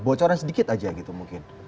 bocoran sedikit aja gitu mungkin